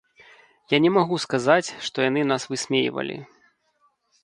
Я не магу сказаць, што яны нас высмейвалі.